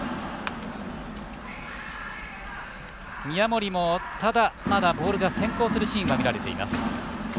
宮森も、ただまだボールが先行するシーンも見られています。